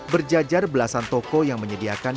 berjajar belasan toko yang menyediakan